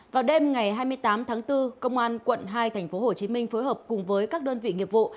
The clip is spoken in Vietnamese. vào đêm ngày hai mươi tám tháng bốn công an quận hai tp hcm phối hợp cùng với các đơn vị nghiệp vụ